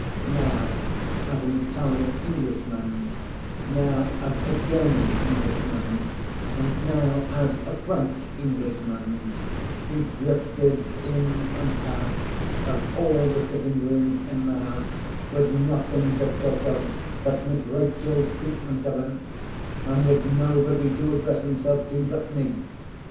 Now as an Italian Englishman, now as a German Englishman, and now as a French Englishman, he drifted in and out of all the sitting rooms in the house, with nothing to talk of but Miss Rachel's treatment of him; and with nobody to address himself to but me.